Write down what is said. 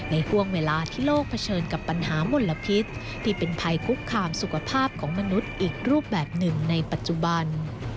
ห่วงเวลาที่โลกเผชิญกับปัญหามลพิษที่เป็นภัยคุกคามสุขภาพของมนุษย์อีกรูปแบบหนึ่งในปัจจุบัน